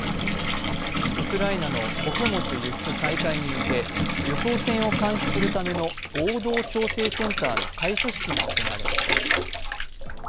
ウクライナの穀物輸出再開に向け輸送船を監視するための合同調整センターの開所式が行われました。